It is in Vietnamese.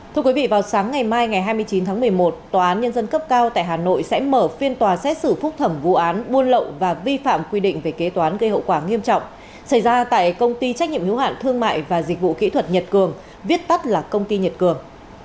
thưa quý vị vào sáng ngày mai ngày hai mươi chín tháng một mươi một tòa án nhân dân cấp cao tại hà nội sẽ mở phiên tòa xét xử phúc thẩm vụ án buôn lậu và vi phạm quy định về kế toán gây hậu quả nghiêm trọng xảy ra tại công ty trách nhiệm hiếu hạn thương mại và dịch vụ kỹ thuật nhật cường viết tắt là công ty nhật cường